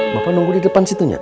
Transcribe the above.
bapak nunggu di depan situ ya